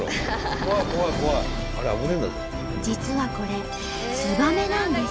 実はこれツバメなんです。